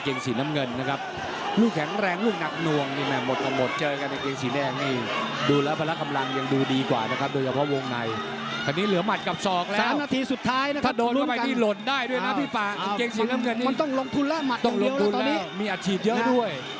เกงสีน้ำเงินนี่มันต้องลงทุนแล้วต้องลงทุนแล้วมีอาชีพเยอะด้วย